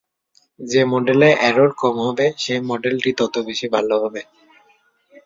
যে মডেলে এরর কম হবে সেই মডেলটি তত বেশী ভালো হবে।